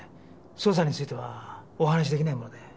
捜査についてはお話し出来ないもので。